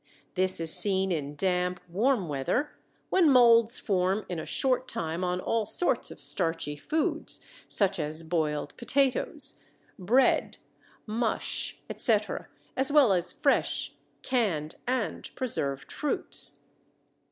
This is seen in damp, warm weather, when molds form in a short time on all sorts of starchy foods, such as boiled potatoes, bread, mush, etc., as well as fresh, canned, and preserved fruits.